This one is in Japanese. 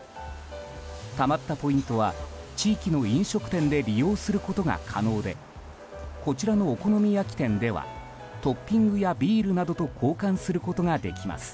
たまったポイントは地域の飲食店で利用することが可能でこちらのお好み焼き店ではトッピングやビールなどと交換することができます。